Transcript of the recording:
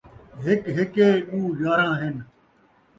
ہک ہک ہے ݙو یارھاں ہن